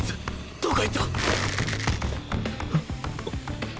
どこへ行った！？